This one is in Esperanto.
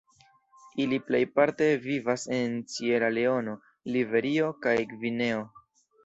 Ili plejparte vivas en Sieraleono, Liberio kaj Gvineo.